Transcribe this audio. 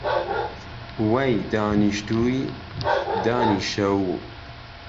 وهی دانیشتووی، دانیشه و